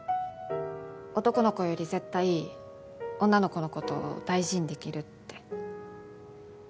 男の子より絶対女の子のこと大事にできるって。